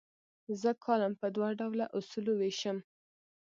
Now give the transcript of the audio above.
زه کالم په دوه ډوله اصولو ویشم.